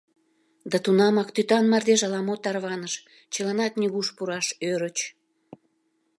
Да тунамак тӱтан мардеж ала-мо тарваныш, чыланат нигуш пураш ӧрыч.